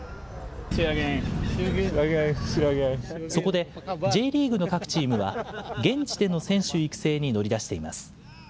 そこで、Ｊリーグの各チームは現地での選手育成に乗り出しています。